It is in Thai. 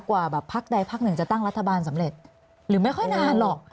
แบบพักใดพักหนึ่งจะตั้งรัฐบาลสำเร็จหรือไม่ค่อยนานหรอก